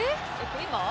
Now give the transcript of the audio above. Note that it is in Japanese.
今？